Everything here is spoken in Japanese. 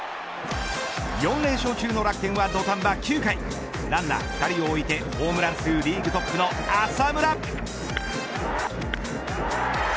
４連勝中の楽天は土壇場９回ランナー２人を置いてホームラン数リーグトップの浅村。